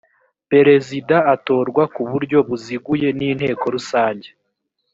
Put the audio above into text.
perezida atorwa ku buryo buziguye n inteko rusange